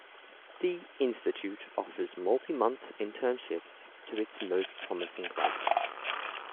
The institute offers multi-month internships to its most promising graduates.